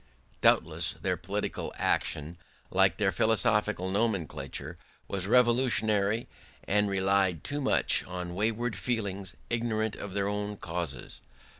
Doubtless their political action, like their philosophical nomenclature, was revolutionary and relied too much on wayward feelings ignorant of their own causes.